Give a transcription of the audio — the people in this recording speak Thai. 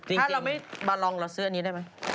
ถ้าเราไม่มาลองเราซื้ออันนี้ได้มั้ย